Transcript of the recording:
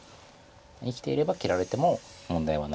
生きていれば切られても問題はないと。